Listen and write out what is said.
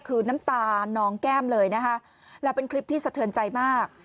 คือน้ำตาน้องแก้มเลยนะคะและเป็นคลิปที่สะเทือนใจมาก